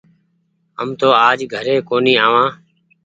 هم تو آج گهري ڪونيٚ آوآن ۔